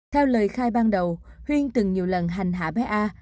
theo lời khai ban đầu huyên từng nhiều lần hành hạ bé a